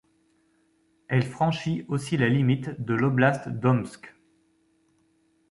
Elle franchit aussi la limite de l'oblast d'Omsk.